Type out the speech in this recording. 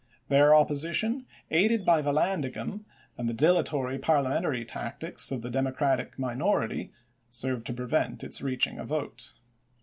Their opposition, aided by Vallandigham and the dilatory parliamentary tactics of the Democratic minority, served to prevent its reaching a vote.